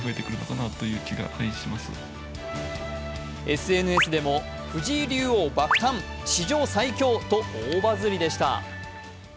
ＳＮＳでも藤井竜王、爆誕と大バズりでした。